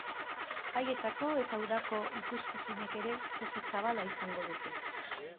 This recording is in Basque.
Jaietako eta udako ikuskizunek ere, toki zabala izango dute.